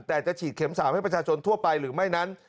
แต่จะฉีดเข็ม๓ให้ประชาชนทั่วไปหรือไม่นั้น